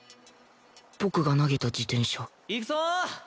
僕が投げた自転車いくぞ！